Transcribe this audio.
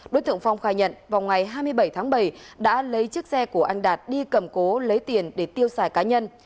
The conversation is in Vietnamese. đối tượng phong khai nhận vào ngày hai mươi bảy tháng bảy đã lấy chiếc xe của anh đạt đi cầm cố lấy tiền để tiêu xài cá nhân